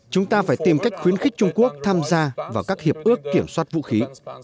chúng ta phải tìm cách khuyến khích trung quốc tham gia vào các hiệp ước kiểm soát vũ khí